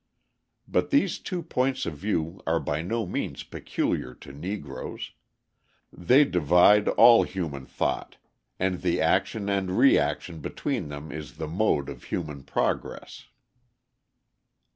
But these two points of view are by no means peculiar to Negroes: they divide all human thought; and the action and reaction between them is the mode of human progress.